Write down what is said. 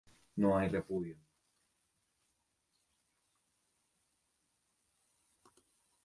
No hay repudio.